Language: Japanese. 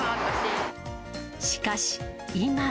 しかし、今。